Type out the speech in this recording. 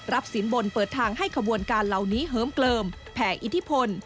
สินบนเปิดทางให้ขบวนการเหล่านี้เหิมเกลิมแผ่อิทธิพล